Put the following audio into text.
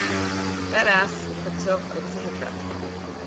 Beir as chomh tiubh agus a thig leat.